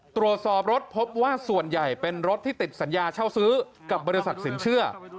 ตรวจสอบรถพบว่าส่วนใหญ่เป็นรถที่ติดสัญญาเช่าซื้อกับบริษัทสินเชื่อ